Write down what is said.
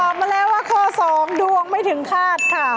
ตอบมาแล้วว่าข้อสองดวงไม่ถึงฆาตค่ะ